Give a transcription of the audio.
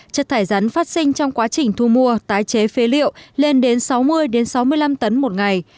chất thải rắn phát sinh trong quá trình thu mua tái chế phê liệu lên đến sáu mươi sáu mươi năm tấn một ngày